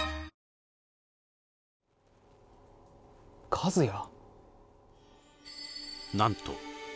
和也？